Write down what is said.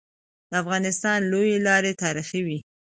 د افغانستان لويي لاري تاریخي وي.